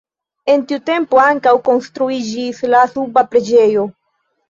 En tiu tempo ankaŭ konstruiĝis la suba preĝejo.